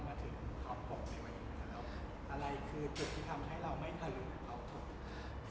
อะไรคือจุดที่ทำให้เราไม่ทะลุกกับเขา